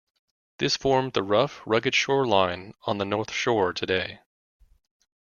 This formed the rough, rugged shoreline on the North Shore today.